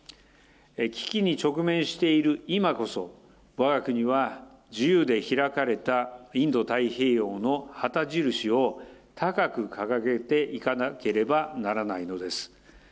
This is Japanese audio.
危機に直面している今こそ、わが国は自由で開かれたインド太平洋の旗印を高く掲げていかなければならないのです。